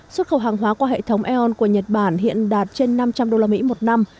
xuất khẩu hàng hóa qua hệ thống e on của nhật bản hiện đạt trên năm trăm linh đô la mỹ một năm